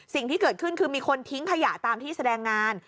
สิ่งที่เกิดขึ้นคือมีคนทิ้งขยะตามที่แสดงงาน